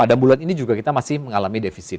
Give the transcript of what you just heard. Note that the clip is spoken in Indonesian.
pada bulan ini juga kita masih mengalami defisit